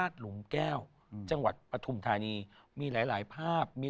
ด้วยความรักด้วยพักดี